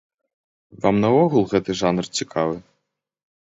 Вам наогул гэты жанр цікавы?